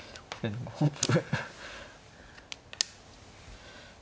本譜。